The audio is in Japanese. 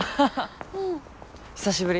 久しぶり。